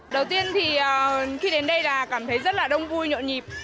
đầu tiên thì khi đến đây là cảm thấy rất là đông vui nhộn nhịp